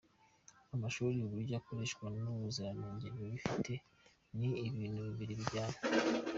Amashuri, uburyo akoreshwa n’ubuziranenjye biba bifite ni ibintu bibiri bijyana.”